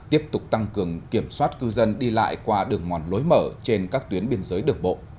tiếp tục tăng cường kiểm soát cư dân đi lại qua đường mòn lối mở trên các tuyến biên giới được bộ